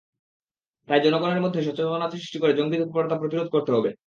তাই জনগণের মধ্যে সচেতনতা সৃষ্টি করে জঙ্গি তৎপরতা প্রতিরোধ করতে হবে।